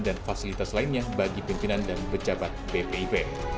dan fasilitas lainnya bagi pimpinan dan pejabat bpip